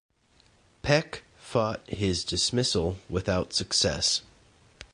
Peck fought his dismissal without success.